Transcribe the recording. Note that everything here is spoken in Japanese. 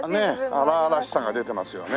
荒々しさが出てますよね。